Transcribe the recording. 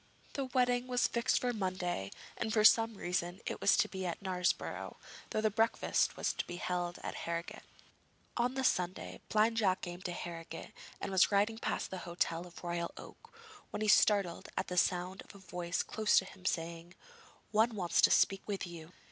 The wedding was fixed for Monday, and for some reason it was to be at Knaresborough, though the breakfast was to be held at Harrogate. On the Sunday Blind Jack came to Harrogate and was riding past the hotel of the Royal Oak, when he was startled at the sound of a voice close to him saying: 'One wants to speak with you.'